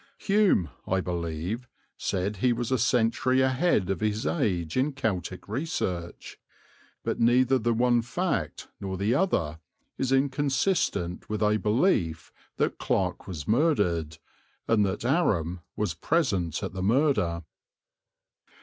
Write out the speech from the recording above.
Hume, I believe, said he was a century ahead of his age in Celtic research; but neither the one fact nor the other is inconsistent with a belief that Clarke was murdered, and that Aram was present at the murder.